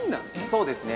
◆そうですね。